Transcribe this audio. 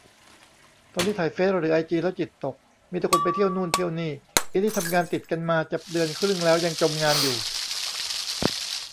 ตอนนี้ไถเฟซหรือไอจีแล้วจิตตก มีแต่คนไปเที่ยวนู่นเที่ยวนี่ อินี่ทำงานติดกันมาจะเดือนครึ่งแล้วยังจมงานอยู่